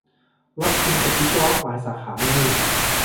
รับคนจบวิศวะหลายสาขาเลย